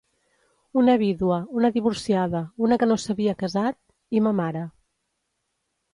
Una vídua, una divorciada, una que no s'havia casat... i ma mare.